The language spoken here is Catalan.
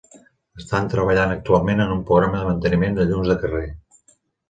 Estan treballant actualment en un programa de manteniment de llums de carrer.